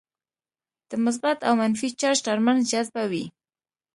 د مثبت او منفي چارج ترمنځ جذبه وي.